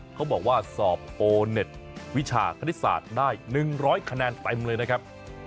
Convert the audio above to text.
เขาบอกว่าสอบโอเน็ตวิชาคณิตศาสตร์ได้๑๐๐คะแนนเต็มเลยนะครับ